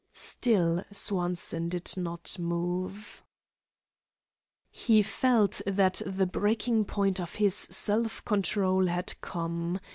Still Swanson did not move. He felt that the breaking point of his self control had come.